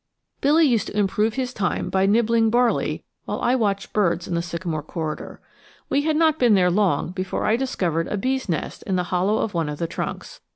Billy used to improve his time by nibbling barley while I watched birds in the sycamore corridor. We had not been there long before I discovered a bee's nest in the hollow of one of the trunks.